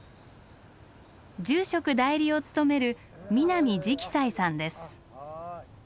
住職代理を務める南直哉さんです。